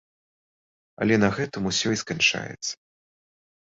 Але на гэтым усё і сканчаецца.